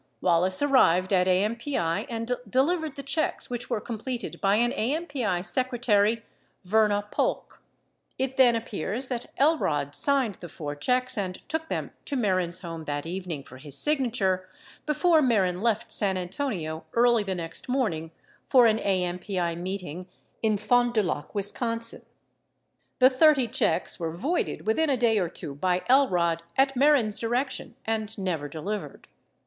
Wallace arrived at AMPI and delivered the checks which were completed by an AMPI secretary, Verna Polk. 3S It then appears that Elrod signed the four checks and took them to Mehren's home that evening for his signature before Mehren left San Antonio early the next morning for an AMPI meeting in Fond du Lac, Wis. 39 The 30 checks were voided within a day or two by Elrod at Mehren's direction and never delivered.